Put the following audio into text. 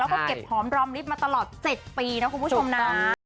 แล้วก็เก็บหอมรอมลิฟต์มาตลอด๗ปีนะคุณผู้ชมนะ